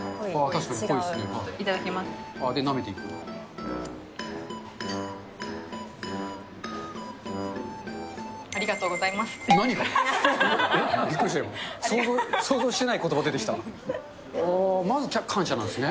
確かに濃いですね。